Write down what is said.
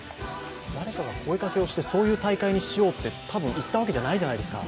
誰かが声かけをしてそういう大会にしようとたぶん言ったわけじゃないじゃないですか。